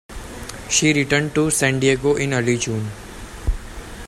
She returned to San Diego in early June.